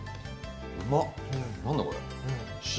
うまっ、なんだこれ？